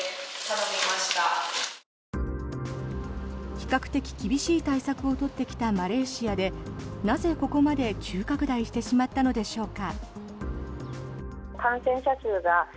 比較的厳しい対策を取ってきたマレーシアでなぜ、ここまで急拡大してしまったのでしょうか。